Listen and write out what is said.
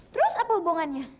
terus apa hubungannya